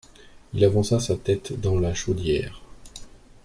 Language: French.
Il avança sa tête dans la chaudière.